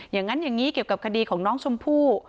อย่างนั้นอย่างนี้เกี่ยวกับคดีของน้องชมพู่